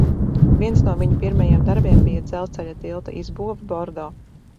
Viens no viņa pirmajiem darbiem bija dzelzceļa tilta izbūve Bordo.